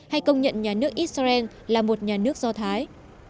hay công nhận nhà nước israel là một nhà nước do thái